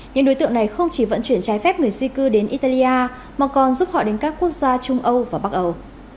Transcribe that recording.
những đối tượng này không chỉ vận chuyển trái phép người di cư đến italia mà còn giúp họ đến các quốc gia trung âu và bắc âu